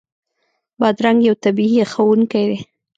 بادرنګ یو طبعي یخونکی دی.